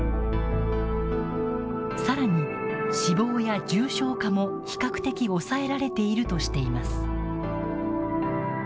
さらに、死亡や重症化も比較的抑えられているとしています。